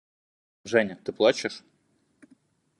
– Женя, ты плачешь?